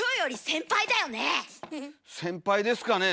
先輩ですかね？